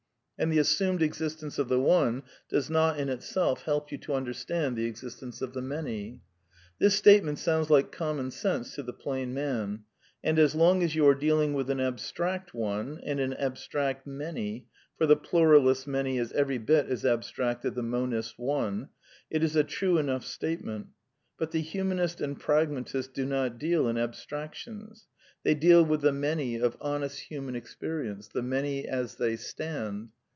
And the assumed existence of the One does not, in itself, help you to understand the existence of the Many. This statement sounds like common sense to the plain man. And as long as you are dealing with an abstract ^ One, and an abstract Many (for the pluralist's ^any is r^nfw every bit as abstract as the monist's One), it is a true •^ enough statement. But the humanist and pragmatist do not deal in abstractions. They deal with the Many of 130 A DEFENCE OF IDEALISM honest htunan experience^ the Many as they stand.